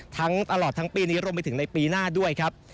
ตลอดทั้งปีนี้รวมไปถึงในปีหน้าด้วยครับ